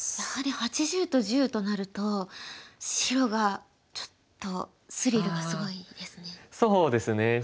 やはり８０と１０となると白がちょっとスリルがすごいですね。